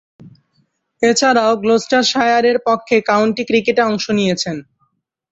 এছাড়াও, গ্লুচেস্টারশায়ারের পক্ষেও কাউন্টি ক্রিকেটে অংশ নিয়েছেন।